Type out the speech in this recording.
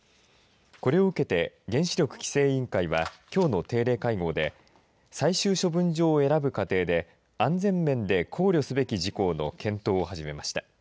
これを受けて原子力規制委員会はきょうの定例会合で最終処分場を選ぶ過程で安全面で考慮すべき事項の検討を始めました。